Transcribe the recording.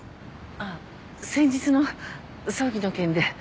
あっ先日の葬儀の件で。